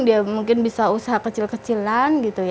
dia mungkin bisa usaha kecil kecilan